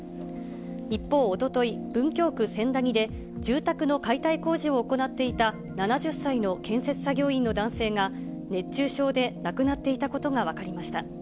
一方、おととい、文京区千駄木で、住宅の解体工事を行っていた７０歳の建設作業員の男性が、熱中症で亡くなっていたことが分かりました。